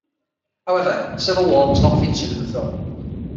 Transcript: However, "Civil War" was not featured in the film.